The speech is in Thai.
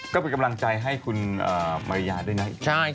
ก็ไปกำลังใจให้คุณมาริยาด้วยนะอีกครั้ง